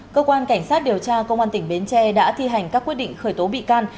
cơ quan cảnh sát điều tra công an tỉnh bến tre đã thi hành các quyết định khởi tố bị can